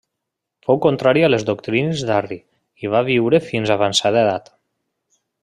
Fou contrari a les doctrines d'Arri i va viure fins avançada edat.